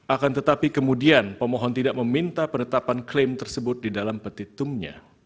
akan tetapi kemudian pemohon tidak meminta penetapan klaim tersebut di dalam petitumnya